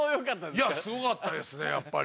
すごかったですねやっぱり。